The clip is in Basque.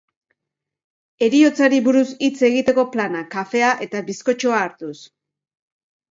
Heriotzari buruz hitz egiteko plana, kafea eta bizkotxoa hartuz.